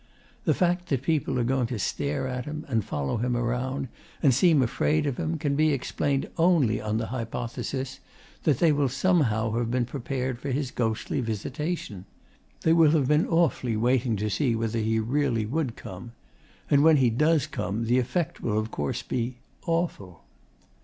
The fact that people are going to stare at him, and follow him around, and seem afraid of him, can be explained only on the hypothesis that they will somehow have been prepared for his ghostly visitation. They will have been awfully waiting to see whether he really would come. And when he does come the effect will of course be awful.